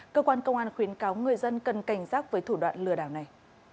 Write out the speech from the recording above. cơ quan công an khuyến cáo người dân cần cảnh giác với thủ đoạn lừa đảo này